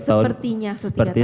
sepertinya setiap tahun